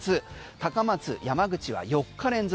高松、山口は４日連続。